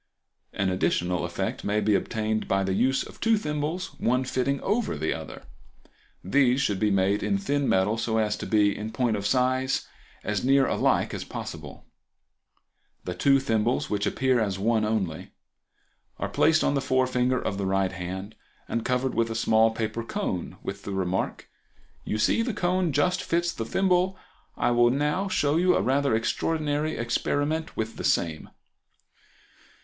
An additional effect may be obtained by the use of two thimbles, one fitting over the other. These should be made in thin metal so as to be, in point of size, as near alike as possible. The two thimbles, which appear as one only, are placed on the forefinger of the right hand, and covered with a small paper cone, with the remark, "You see the cone just fits the thimble; I will now show you a rather extraordinary experiment with the same."